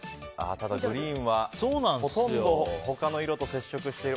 ただ、グリーンはほとんど他の色と接触している。